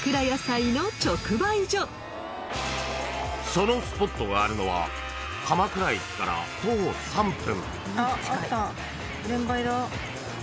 ［そのスポットがあるのは鎌倉駅から徒歩３分］